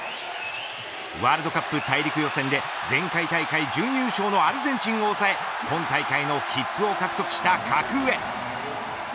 ワールドカップ大陸予選で前回大会準優勝のアルゼンチンを抑え今大会の切符を獲得した格上。